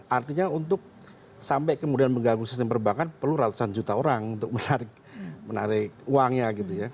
artinya untuk sampai kemudian mengganggu sistem perbankan perlu ratusan juta orang untuk menarik uangnya gitu ya